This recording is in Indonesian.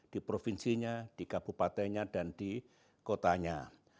di provinsinya di kabupatennya dan di kotanya